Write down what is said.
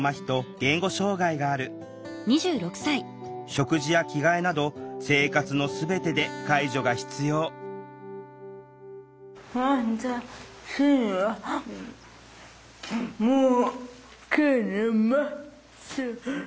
食事や着替えなど生活の全てで介助が必要どうだろう？